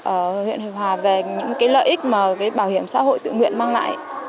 ở huyện huyền hòa về những lợi ích mà bảo hiểm xã hội tự nguyện mang lại